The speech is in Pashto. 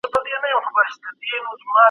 نور به ولټوي ځانته بله چاره